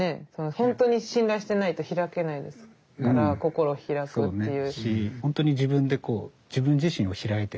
本当に信頼してないと開けないですから心を開くっていう。